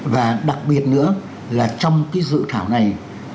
và đặc biệt nữa là trong cái dự thảo này